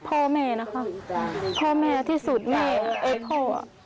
พ่อแม่ที่สุดแม่โอ้โห